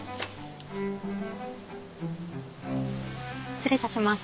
失礼いたします。